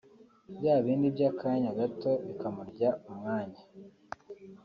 bya bindi by’akanya gato bikamurya umwanya